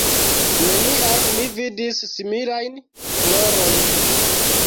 Neniam mi vidis similajn florojn.